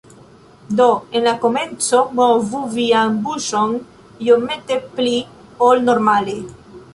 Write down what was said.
Do, en la komenco movu vian buŝon iomete pli ol normale.